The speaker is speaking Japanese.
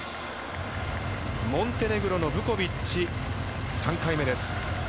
モンテネグロブコビッチの３回目です。